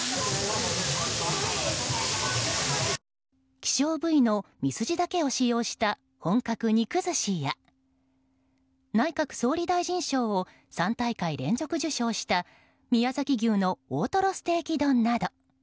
希少部位のミスジだけを使用した本格肉寿司や内閣総理大臣賞を３大会連続受賞した宮崎牛の大トロステーキ丼など。